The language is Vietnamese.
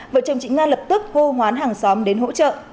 vợ chồng chị nga lập tức hô hoán hàng xóm đến hỗ trợ